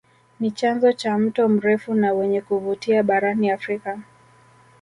Ni chanzo cha mto mrefu na wenye kuvutia barani Afrika